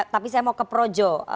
tapi saya mau ke projo